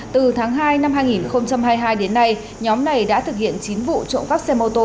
từ tháng hai năm hai nghìn hai mươi hai đến nay nhóm này đã thực hiện chín vụ trộm cắp xe mô tô